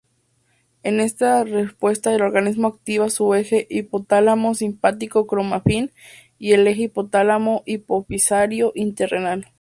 En esta respuesta el organismo activa su eje hipotálamo-simpático-cromafin y el eje hipotálamo-hipofisario-interrenal.